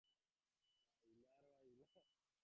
মধুসূদন বললে, জান না, এতে ফোটোগ্রাফ রাখতে হয়।